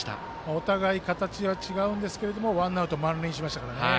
お互い形は違うんですけれどもワンアウト満塁にしましたからね。